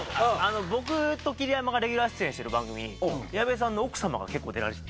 僕と桐山がレギュラー出演している番組に矢部さんの奥さまが結構出られてて。